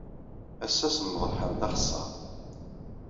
Ass-a, semmeḍ lḥal d axeṣṣar.